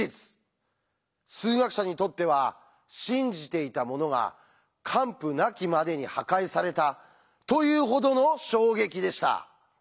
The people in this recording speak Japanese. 数学者にとっては信じていたものが完膚なきまでに破壊されたというほどの衝撃でした。